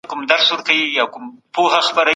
آیا دا پیښه په ټول عمر کي یو ځل نه کیږي؟